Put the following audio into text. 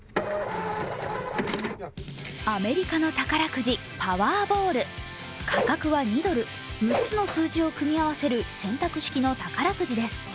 アメリカの宝くじパワーボール、価格は２ドル６つの数字を組み合わせる選択式の宝くじです。